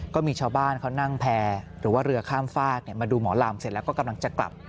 ก็มีชาวบ้านเขานั่งแพร่หรือว่าเรือข้ามฝากมาดูหมอลำเสร็จแล้วก็กำลังจะกลับ